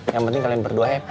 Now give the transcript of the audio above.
yang penting kalian berdua happy